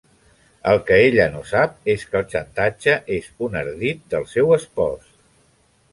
El que ella no sap és que el xantatge és un ardit del seu espòs.